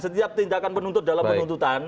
setiap tindakan penuntut dalam penuntutan